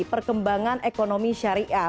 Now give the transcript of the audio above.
perkembangan ekonomi syariah